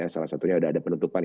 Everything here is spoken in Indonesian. salah satunya sudah ada penutupan